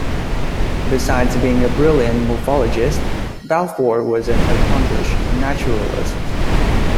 Besides being a brilliant morphologist, Balfour was an accomplished naturalist.